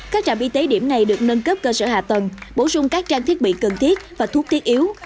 các trạm y tế điểm này được nâng cấp cơ sở hạ tầng bổ sung các trang thiết bị cần thiết và thuốc thiết yếu